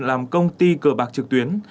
làm công ty cờ bạc trực tuyến